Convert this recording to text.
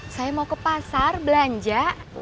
saya mau ke pasar belanja